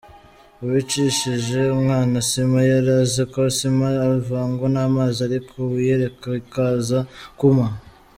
Uwicishije umwana sima yari azi ko sima ivangwa n’amazi ariko wayireka ikaza kwuma.